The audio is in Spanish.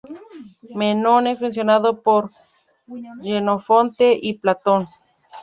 Menón, es mencionado por Jenofonte y Platón.